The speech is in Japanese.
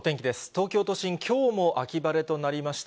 東京都心、きょうも秋晴れとなりました。